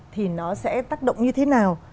thì nó sẽ tác động như thế nào